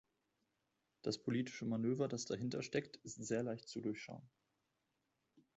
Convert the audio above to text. Das politische Manöver, das dahinter steckt, ist sehr leicht zu durchschauen.